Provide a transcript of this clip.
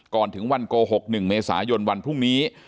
ก่อนถึงวันโกหก๑เมษายนวันพรุ่งนี้